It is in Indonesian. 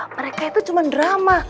mereka itu cuman drama